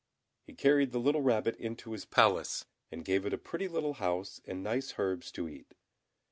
He carried the little rabbit into his palace and gave it a pretty little house and nice herbs to eat.